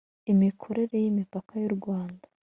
imikorere y imipaka y u Rwanda